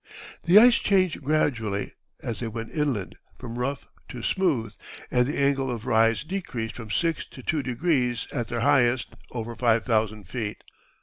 The ice changed gradually, as they went inland, from rough to smooth, and the angle of rise decreased from six to two degrees at their highest, over five thousand feet.